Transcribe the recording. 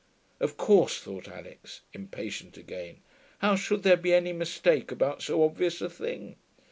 Of course, thought Alix, impatient again. How should there be any mistake about so obvious a thing?